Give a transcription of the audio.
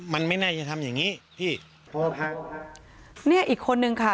มันไม่น่าจะทำอย่างงี้พี่พอพังเนี่ยอีกคนนึงค่ะ